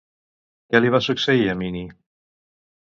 Què li va succeir a Mini?